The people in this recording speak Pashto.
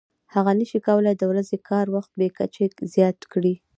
هغه نشي کولای د ورځني کار وخت بې کچې زیات کړي